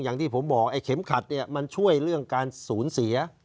อย่างที่ผมบอกไอ้เข็มขัดเนี่ยมันช่วยเรื่องการสูญเสีย